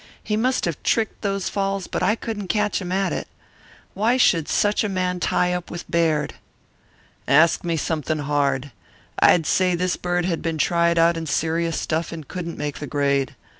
He must have tricked those falls but I couldn't catch him at it. Why should such a man tie up with Baird?" "Ask me something hard. I'd say this bird had been tried out in serious stuff and couldn't make the grade.